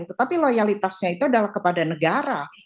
tetapi loyalitasnya itu adalah kepada negara